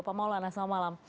pak maulana selamat malam